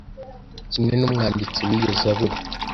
Kimwe n’umwanditsi w’iyo zaburi,